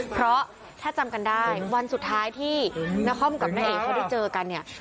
เพราะถ้าจำกันได้วันสุดท้ายที่นครกับแม่เอกเขาได้เจอกันเนี่ย